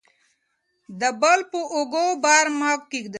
د بل په اوږو بار مه کیږئ.